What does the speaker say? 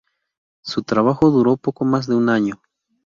Su trabajo duró poco más de un año.